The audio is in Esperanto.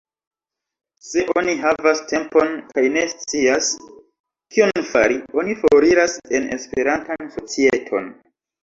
Se oni havas tempon kaj ne scias, kion fari, oni foriras en Esperantan societon.